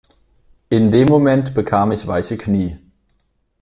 In dem Moment bekam ich weiche Knie.